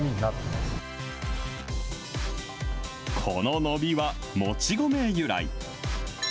この伸びはもち米由来。